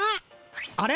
あれ？